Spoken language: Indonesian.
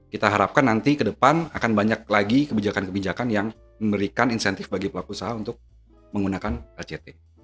kita harapkan nanti ke depan akan banyak lagi kebijakan kebijakan yang memberikan insentif bagi pelaku usaha untuk menggunakan act